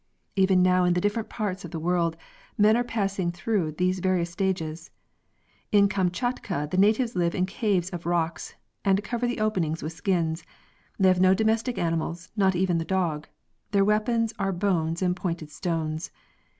Even now in the different parts of the world men are passing through these various stages. In Kamchatka the natives live in caves of rocks and cover the openings with skins; they have no domestic animals, not even the dog; their weapons are bones and pointed stones.